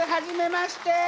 初めまして。